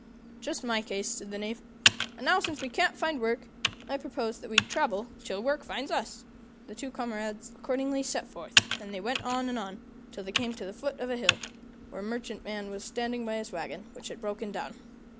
"Just my case," said the Knave. "And now, since we can't find work, I propose that we travel till work finds us." The two comrades accordingly set forth, and they went on and on, till they came to the foot of a hill, where a merchantman was standing by his wagon, which had broken down.